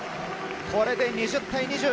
これで２０対２４。